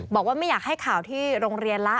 บอกว่าไม่อยากให้ข่าวที่โรงเรียนละ